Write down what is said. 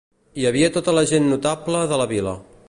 Hi havia tota la gent notable de la vila.